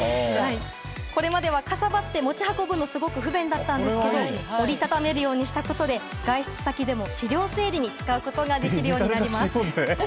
これまではかさばり持ち運ぶのにすごく不便だったんですが折りたためるようにしたことで外出先でも資料整理に使うことができるようになります。